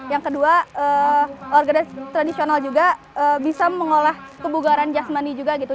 yang kedua organisasi tradisional juga bisa mengolah kebugaran jasmani juga gitu